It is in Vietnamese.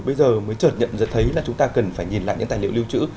bây giờ mới trợt nhận ra thấy là chúng ta cần phải nhìn lại những tài liệu lưu trữ